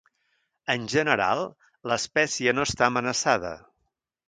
En general, l'espècie no està amenaçada.